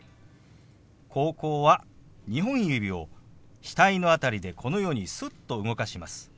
「高校」は２本指を額の辺りでこのようにすっと動かします。